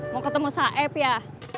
mau ketemu saeb ya